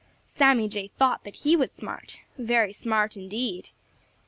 Sammy Jay thought that he was smart, very smart indeed.